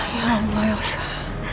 ya allah ya usah